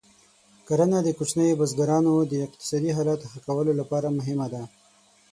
کرنه د کوچنیو بزګرانو د اقتصادي حالت ښه کولو لپاره مهمه ده.